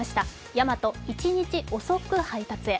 ヤマト、一日遅く配達へ。